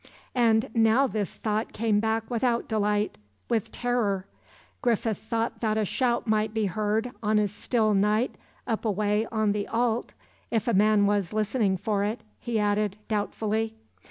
"And now this thought came back without delight, with terror. Griffith thought that a shout might be heard on a still night up away on the Allt, 'if a man was listening for it,' he added, doubtfully.